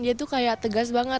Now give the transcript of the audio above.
dia tuh kayak tegas banget